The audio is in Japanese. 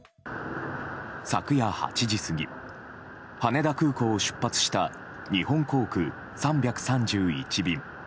昨夜８時過ぎ羽田空港を出発した日本航空３３１便。